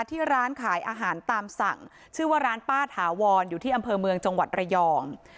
ที่ร้านขายอาหารตามสั่งชื่อว่าร้านป้าถาวรอยู่ที่อำเภอเมืองจังหวัดระยอง